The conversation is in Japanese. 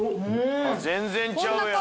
「全然ちゃうやん！」